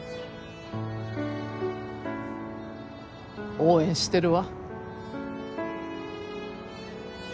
応援してるわ。